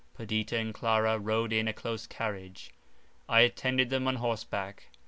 Perdita and Clara rode in a close carriage; I attended them on horseback.